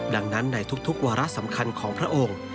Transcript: ดังนั้นในทุกวาระสำคัญของพระองค์